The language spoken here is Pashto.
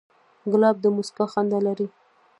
ګلاب د موسکا خندا لري.